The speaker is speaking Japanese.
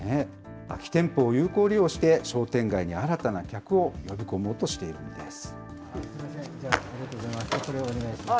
空き店舗を有効利用して、商店街に新たな客を呼び込もうとしているんです。